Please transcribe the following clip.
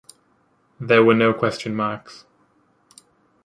There were no question marks.